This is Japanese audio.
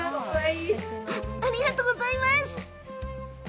ありがとうございます。